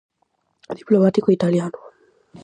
Diplomático italiano.